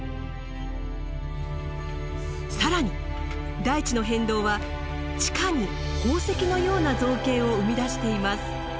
更に大地の変動は地下に宝石のような造形を生み出しています。